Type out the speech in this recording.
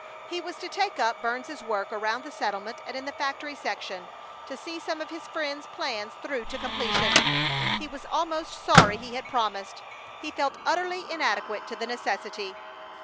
He was to take up Burns's work around the settlement and in the factory section; to see some of his friend's plans through to completion. He was almost sorry he had promised. He felt utterly inadequate to the necessity!